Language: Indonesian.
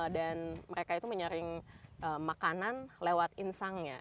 dan mereka itu menyaring makanan lewat insangnya